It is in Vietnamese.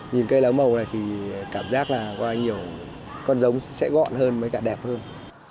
nhìn cây lá màu này thì cảm giác là con giống sẽ gọn hơn mới cả đẹp hơn